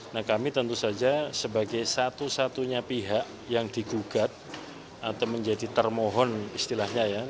nah kami tentu saja sebagai satu satunya pihak yang digugat atau menjadi termohon istilahnya ya